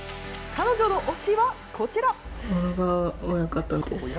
彼女の推しはこちら。